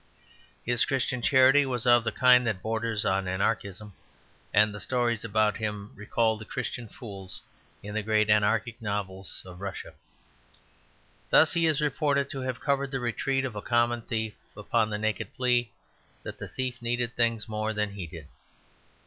His Christian charity was of the kind that borders on anarchism, and the stories about him recall the Christian fools in the great anarchic novels of Russia. Thus he is reported to have covered the retreat of a common thief upon the naked plea that the thief needed things more than he did.